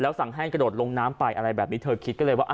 สั่งให้กระโดดลงน้ำไปอะไรแบบนี้เธอคิดก็เลยว่า